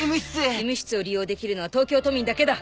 医務室を利用できるのは東京都民だけだ。